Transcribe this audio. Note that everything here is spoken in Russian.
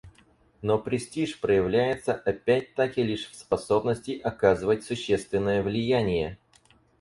Но престиж проявляется опять-таки лишь в способности оказывать существенное влияние.